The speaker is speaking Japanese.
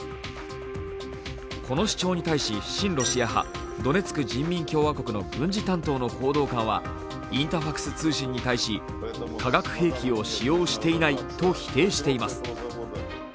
この主張に対し親ロシア派ドネツク人民共和国の軍事担当の報道官は軍事担当の報道官はインタファクス通信に対し、化学兵器を使用していないと否定しています。